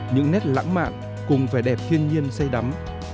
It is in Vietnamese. những nét lãng mạn cùng vẻ đẹp thiên nhiên say đắm